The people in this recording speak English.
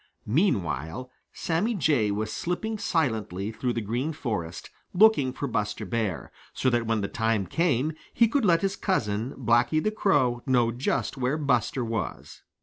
Meanwhile, Sammy Jay was slipping silently through the Green Forest, looking for Buster Bear, so that when the time came he could let his cousin, Blacky the Crow, know just where Buster was.